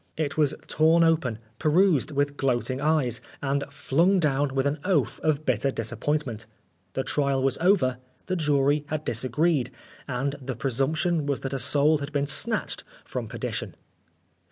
It was torn open, perused with gloating eyes, and flung down with an oath of bitter disappointment. The trial was over, the jury had disagreed, and the presumption was that a soul had been snatched from perdition.